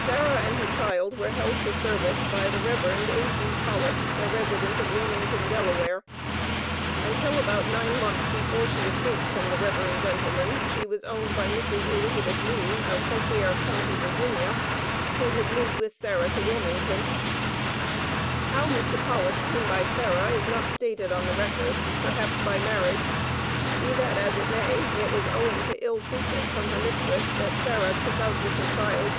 Sarah and her child were held to service by the Rev. A.D. Pollock, a resident of Wilmington, Del. Until about nine months before she escaped from the Reverend gentleman, she was owned by Mrs. Elizabeth Lee of Fauquier Co., Va., who had moved with Sarah to Wilmington. How Mr. Pollock came by Sarah is not stated on the records; perhaps by marriage; be that as it may, it was owing to ill treatment from her mistress that Sarah "took out" with her child.